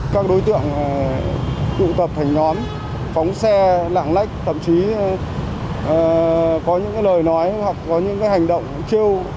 các đối tượng tụ tập thành nhóm phóng xe lạng lách thậm chí có những lời nói hoặc có những hành động chiêu